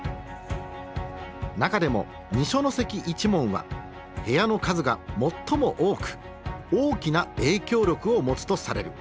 中でも二所ノ関一門は部屋の数が最も多く大きな影響力を持つとされる。